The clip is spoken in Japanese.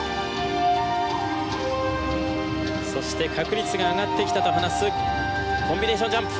そして確率が上がってきたと話すコンビネーションジャンプ。